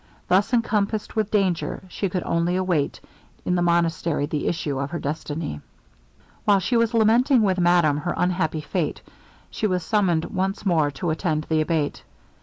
Thus encompassed with danger, she could only await in the monastery the issue of her destiny. While she was lamenting with madame her unhappy fate, she was summoned once more to attend the Abate.